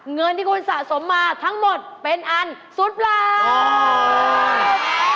เงินที่คุณสะสมมาทั้งหมดเป็นอันสุดเปล่า